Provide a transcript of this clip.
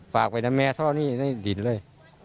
ฝากไปด้วยดิ้นเลย